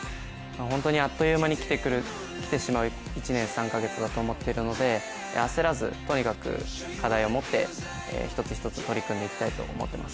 本当にあっという間に来てしまう１年３か月だと思っているので焦らず、とにかく課題を持って一つ一つ取り組んでいきたいと思ってます。